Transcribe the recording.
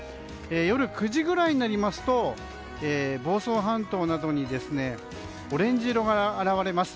夜９時ぐらいになると房総半島などにオレンジ色が現れます。